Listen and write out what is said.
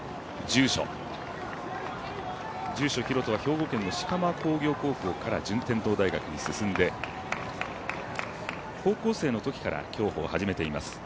住所大翔は兵庫県の飾磨工業高校から順天堂大学に進んで高校生の時から競歩を始めています。